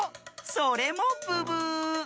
それもブブー！